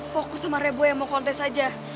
fokus sama rebu yang mau kontes aja